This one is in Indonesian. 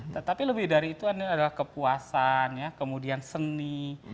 tetapi lebih dari itu adalah kepuasan kemudian seni